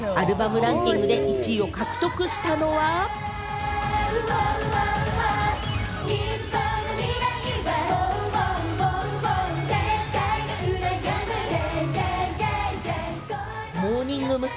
アルバムランキングで１位を獲得モーニング娘。